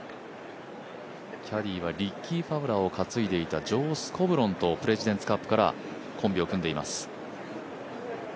キャディーはリッキー・ファウラーを担いでいたジョー・スコブロンとプレジデンツカップからコンビを組んでいます。